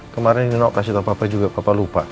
kemarin ini nok kasih tau papa juga papa lupa